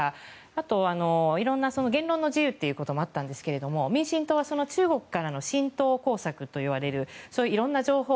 あと、いろんな言論の自由ということもあったんですが民進党は中国からの浸透工作といわれるいろんな情報。